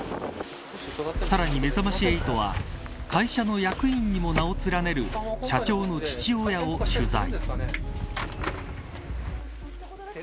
さらに、めざまし８は会社の役員にも名を連ねる社長の父親を取材。